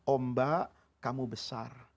ombak kamu besar